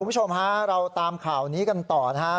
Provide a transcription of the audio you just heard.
คุณผู้ชมฮะเราตามข่าวนี้กันต่อนะฮะ